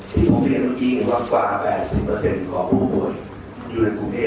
ที่ภูมิธรรมดีกว่า๘๐เปอร์เซ็นต์ของผู้โดยอยู่ในภูมิธรรม